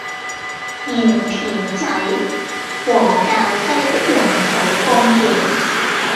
鹽田仔和滘西的用水供應